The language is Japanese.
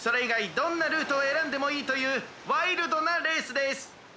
どんなルートをえらんでもいいというワイルドなレースです。